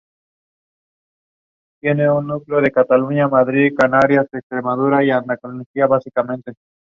oído cocina. Ahora mismo me pongo a ello